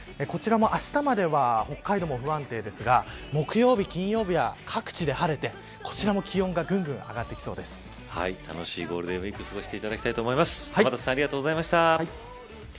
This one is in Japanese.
こちらも、あしたまでは北海道も不安定ですが木曜日、金曜日は各地で晴れてこちらも気温が楽しいゴールデンウイーク過ごしていただきたいと思います。